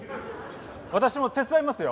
私も手伝いますよ。